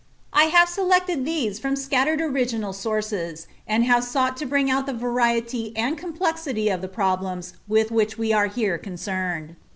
I have selected these from scattered original sources, and have sought to bring out the variety and complexity of the problems with which we are here concerned.